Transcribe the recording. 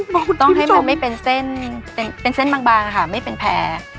ต้องให้มันไม่เป็นเส้นเป็นเส้นบางค่ะไม่เป็นแผล